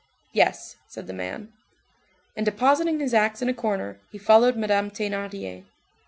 "Yes," said the man. And depositing his axe in a corner, he followed Madame Thénardier.